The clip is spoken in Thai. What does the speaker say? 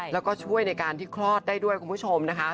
แล้วก็ช่วยในการที่คลอดได้ด้วยคุณผู้ชมนะคะ